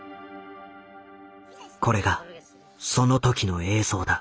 これがその時の映像だ。